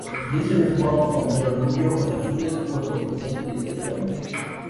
Jason es guapo, con pelo rubio, ojos azules, cuerpo fibroso y estatura media.